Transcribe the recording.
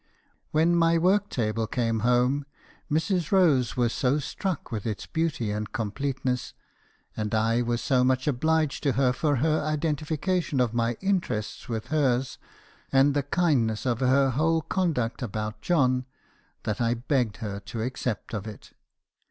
" When my work table came home , Mrs. Rose was so struck with its beauty and completeness, and I was so much obliged to her for her identification of my interests with hers, and the kindness of her whole conduct about John, that I begged her to accept of it.